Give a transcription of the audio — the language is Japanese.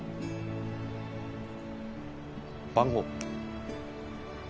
番号。